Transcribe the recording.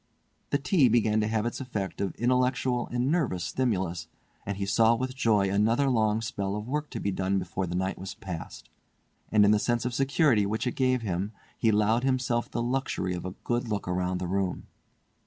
The tea began to have its effect of intellectual and nervous stimulus, he saw with joy another long spell of work to be done before the night was past, and in the sense of security which it gave him, he allowed himself the luxury of a good look round the room.